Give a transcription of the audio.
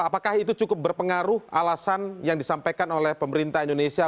apakah itu cukup berpengaruh alasan yang disampaikan oleh pemerintah indonesia